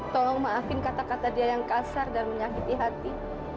tolong maafin kata kata dia yang kasar dan menyakiti hati